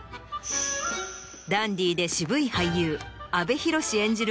ダンディーで渋い俳優阿部寛演じる